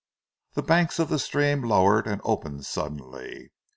The banks of the stream lowered and opened suddenly.